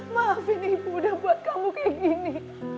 maafin ibu udah buat kamu kayak gini